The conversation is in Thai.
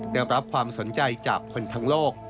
ได้รับความสนใจจากคนทั้งโลก